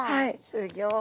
すギョい。